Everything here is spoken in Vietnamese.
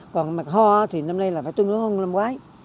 còn mạch hoa thì năm nay là phải tương đối hơn năm ngoái